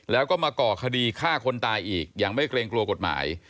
แล้วก็มาก่อคดีฆ่าคนตายอีกอย่างไม่เกรงกลัวกฎหมาย